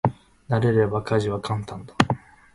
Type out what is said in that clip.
慣れれば家事は簡単だ。